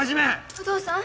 お父さん。